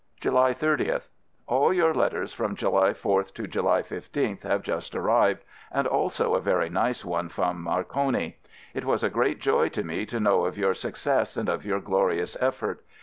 July 30th. All your letters from July 4th to July 15th have just arrived, and also a very nice one from Marconi. It was a great joy to me to know of your success and of your glorious effort.